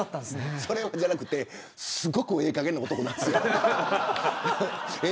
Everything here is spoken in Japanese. そうじゃなくてすごくええかげんな男なんです。